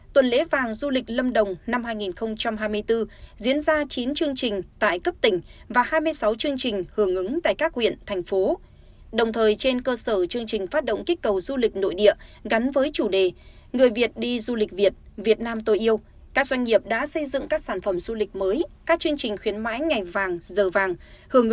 tuần lễ vàng du lịch lâm đồng lần thứ ba năm hai nghìn hai mươi bốn có hàng chục chương trình sự kiện diễn ra trên địa bàn thành phố đà lạt bảo lộc và một số huyện trong tỉnh hứa hẹn mang đến nhiều trải nghiệm thú vị cho người dân địa phương và du khách